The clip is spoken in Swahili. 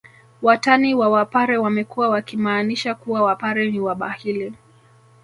Watani wa wapare wamekuwa wakimaanisha kuwa wapare ni wabahili